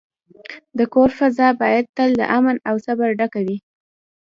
د کور فضا باید تل د امن او صبر ډکه وي.